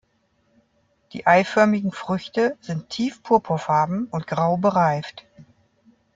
Die eiförmigen Früchte sind tief purpurfarben und grau bereift.